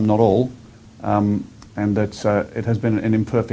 dan itu adalah proses yang tidak sempurna